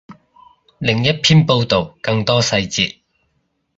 另一篇报道，更多细节